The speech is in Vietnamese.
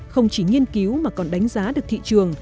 không chỉ nghiên cứu mà còn đánh giá được thị trường